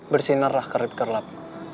bersinarlah kerip kerlap